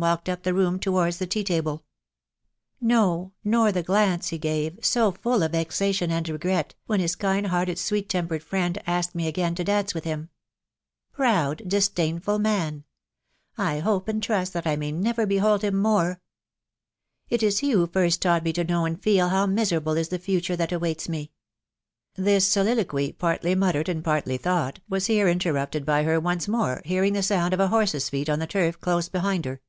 walked up the room towards the tea table !.•.. no, nor the glance he gave, so full of vexation and regret, when his kind hearted, sweet tempered friend, asked me again to dance with him !.... Proud, disdainful man ! I hope and trust that I never may behold him more 1 .... It is he who first taught me to know and feel how miserable is the future that awaits me !" This soliloquy, partly muttered and partly thought, was here inter rupted by her once more hearing the sound of a horse's feet on the turf close behind her.